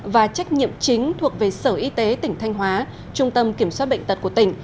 và trách nhiệm chính thuộc về sở y tế tỉnh thanh hóa trung tâm kiểm soát bệnh tật của tỉnh